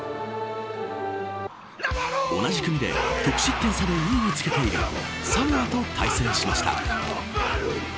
同じ組で得失点差で２位につけているサモアと対戦しました。